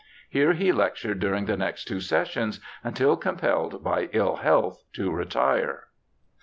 Here he lectured during the next two sessions until compelled by ill health to retire.